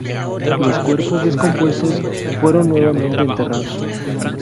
Los cuerpos descompuestos fueron nuevamente enterrados.